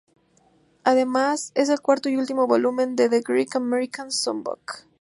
Además es el cuarto y último volumen de The Great American Songbook.